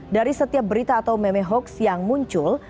dari setiap berita atau meme hoax yang muncul